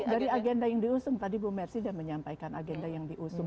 dari agenda yang diusung tadi bu mersi sudah menyampaikan agenda yang diusung